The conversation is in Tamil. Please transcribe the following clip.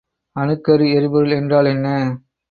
அணுக்கரு எரிபொருள் என்றால் என்ன?